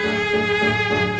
ya udah mbak